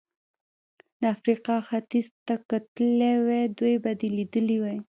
د افریقا ختیځ ته که تللی وای، دوی به دې لیدلي وای.